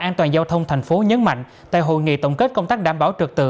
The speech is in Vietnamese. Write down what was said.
an toàn giao thông thành phố nhấn mạnh tại hội nghị tổng kết công tác đảm bảo trực tự